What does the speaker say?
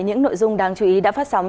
những nội dung đáng chú ý đã phát sóng